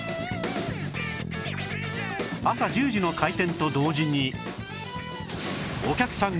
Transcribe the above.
朝１０時の開店と同時に